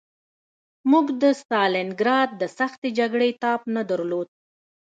موږ د ستالینګراډ د سختې جګړې تاب نه درلود